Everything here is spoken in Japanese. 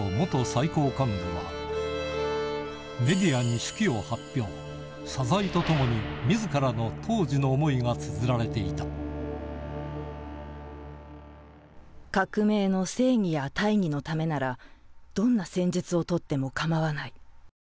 最高幹部は謝罪とともに自らの当時の思いがつづられていた「革命の『正義』や『大義』のためならどんな戦術をとってもかまわない。